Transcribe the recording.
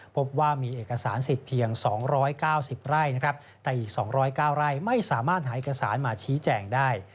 พบว่ามีเอกสารสิทธิ์เพียง๒๙๐ไร่นะครับแต่อีก๒๐๙ไร่ไม่สามารถหาเอกสารมาชี้แจงได้